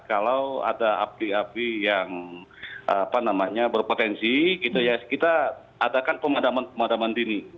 kalau ada api api yang apa namanya berpotensi gitu ya kita adakan pemadaman pemadaman dini